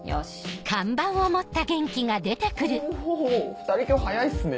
２人今日早いっすね。